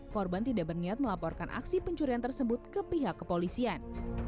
korban tidak berniat melaporkan aksi pencurian tersebut ke pihak kepolisian